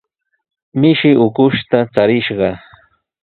Mishi ukushta charishqa.